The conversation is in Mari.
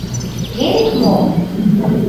— Герик мо?